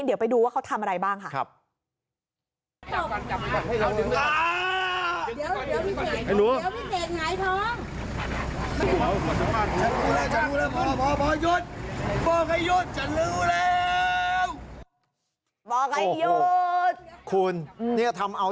เดี๋ยวไปดูว่าเขาทำอะไรบ้างค่ะ